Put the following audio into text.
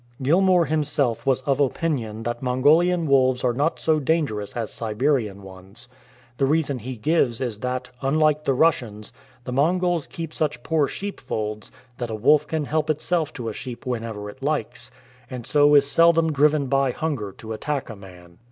Gilmour himself was of opinion that Mon golian wolves are not so dangerous as Siberian ones. The reason he gives is that, unlike the Russians, the Mongols keep such poor sheep folds that a wolf can help itself to a sheep whenever it likes, and so is seldom driven by 27 THE MAN IN THE IRON CAGE hunger to attack a man.